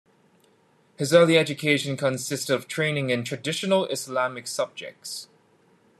His early education consisted of training in "traditional Islamic subjects".